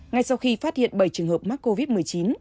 ngay sau khi phát hiện bảy trường hợp mắc covid một mươi chín